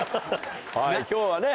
今日はね